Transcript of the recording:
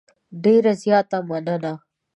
ډېره زیاته مننه .